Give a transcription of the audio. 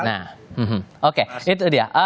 nah oke itu dia